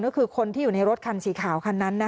ก็คือคนที่อยู่ในรถคันสีขาวคันนั้น